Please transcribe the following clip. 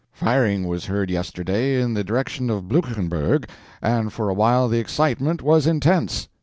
Firing was heard yesterday in the direction of Blucherberg, and for a while the excitement was intense.